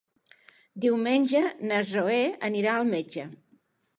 Diumenge na Zoè anirà al metge.